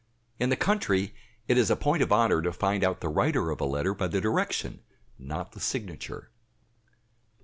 In the country it is a point of honor to find out the writer of a letter by the direction, not the signature.